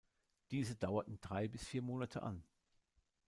Diese dauerten drei bis vier Monate an.